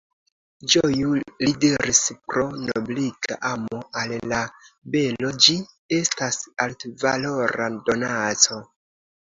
Ĝoju, li diris, pro nobliga amo al la belo; ĝi estas altvalora donaco.